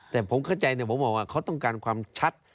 แต่ผมเข้าใจผมบอกว่าเขาต้องการความชัด